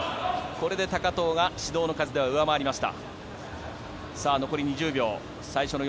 これで高藤が指導の数では上回りました。